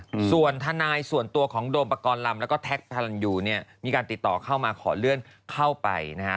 อืมส่วนทนายส่วนตัวของโดมปกรณ์ลำแล้วก็แท็กพระรันยูเนี้ยมีการติดต่อเข้ามาขอเลื่อนเข้าไปนะฮะ